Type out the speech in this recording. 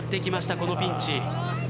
このピンチ。